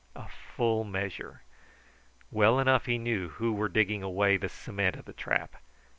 A full measure. Well enough he knew who were digging away the cement of the trap.